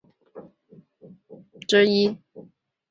徐光启是利玛窦付洗的第一批中国天主教徒之一。